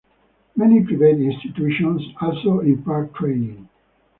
Many private institutions also impart training.